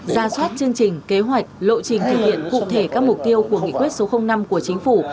ra soát chương trình kế hoạch lộ trình thực hiện cụ thể các mục tiêu của nghị quyết số năm của chính phủ